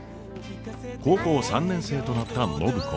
高校３年生となった暢子。